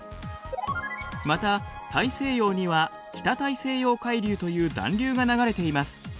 また大西洋には北大西洋海流という暖流が流れています。